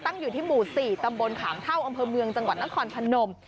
อยู่ที่หมู่๔ตำบลขามเท่าอำเภอเมืองจังหวัดนครพนม